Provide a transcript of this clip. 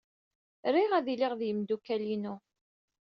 Riɣ ad iliɣ ed yimeddukal-inu.